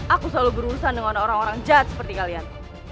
aku selalu berurusan dengan orang orang jad seperti kalian